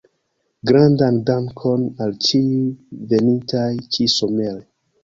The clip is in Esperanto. Grandan dankon al ĉiuj venintaj ĉi-somere.